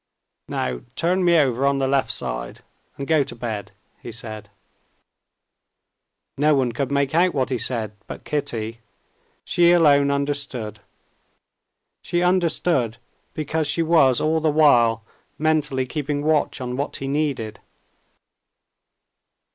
"Now turn me over on the left side and go to bed," he said. No one could make out what he said but Kitty; she alone understood. She understood because she was all the while mentally keeping watch on what he needed.